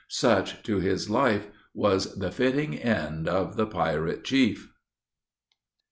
Such, to his life, was the fitting end of the pirate chief.